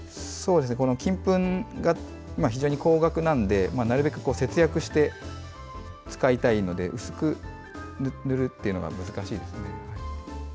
金粉が非常に高額なのでなるべく節約して使いたいので薄く塗るというのが難しいですね。